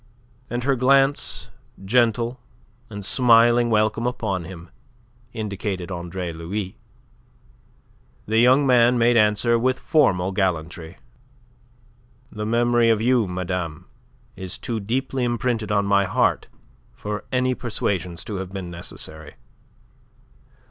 And her glance, gentle, and smiling welcome upon him, indicated Andre Louis. The young man made answer with formal gallantry. "The memory of you, madame, is too deeply imprinted on my heart for any persuasions to have been necessary."